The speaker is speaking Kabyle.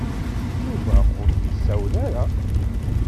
Yuba ur d-yessawel ara.